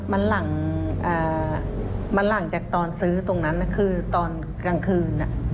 มันหลังมันหลังจากตอนซื้อตรงนั้นคือตอนกลางคืน